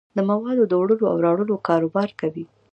د موادو دوړلو او راوړلو کاروبار کوي.